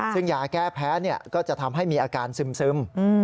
ซึ่งยาแก้แพ้ก็จะทำให้มีอาการซึม